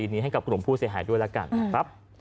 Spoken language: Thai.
นิยง